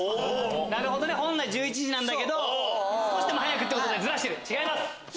なるほどね本来１１時なんだけど少しでも早くってことでズラしてる違います。